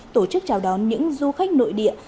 tổ chức chào đón những du khách nội địa